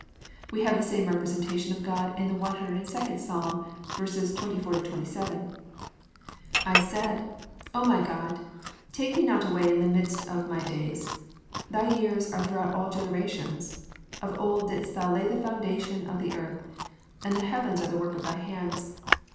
"+ We have the same representation of God in the 102nd Ps., verses 24 27: +"I said, O my God, take me not away in the midst of my days: Thy years are throughout all generations. (25) Of old didst thou lay the foundation of the earth; and the heavens are the work of thy hands.